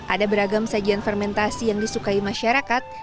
ada beragam sajian fermentasi yang disukai masyarakat